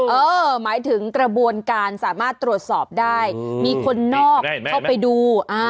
หมายถึงกระบวนการสามารถตรวจสอบได้มีคนนอกเข้าไปดู